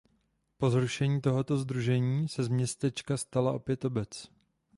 Po zrušení tohoto sdružení se z městečka stala opět obec.